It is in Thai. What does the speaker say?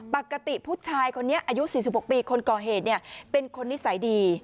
ปกติผู้ชายคนนี้อายุ๔๖ปีคนก่อเหตุเป็นคนนิสัยดี